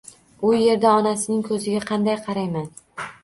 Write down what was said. U yerda onasining koʻziga qanday qarayman?!